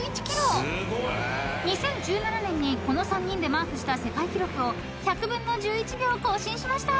［２０１７年にこの３人でマークした世界記録を１００分の１１秒更新しました］